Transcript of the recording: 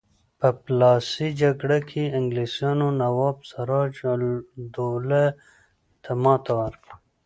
په پلاسۍ جګړه کې انګلیسانو نواب سراج الدوله ته ماتې ورکړه.